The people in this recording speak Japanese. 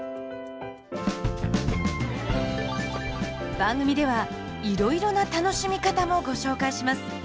番組ではいろいろな楽しみ方もご紹介します。